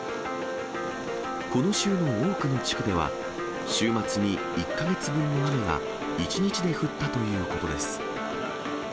この州の多くの地区では、週末に１か月分の雨が１日で降ったということです。